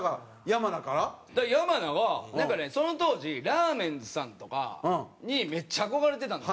山名はなんかねその当時ラーメンズさんとかにめっちゃ憧れてたんですよ。